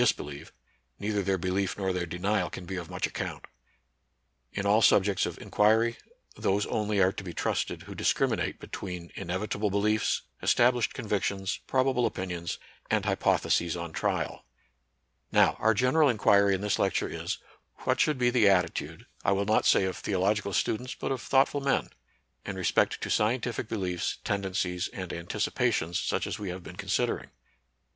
disbelieve, neither their belief nor their denial j can be of much account. In all subjects of inquiry, those only are to be trusted who dis criminate between inevitable beliefs, established convictions, probable opinions, and hypotheses on trial. / 60 NATURAL SCIENCE AND RELIGION. Now, our general inquiry in this lecture is, What should be the attitude, I will not say of theological students, but of thoughtful men, in respect to scientific beliefs, tendencies, and anticipations;^ such as we have been consid ering